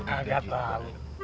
ah lihat lah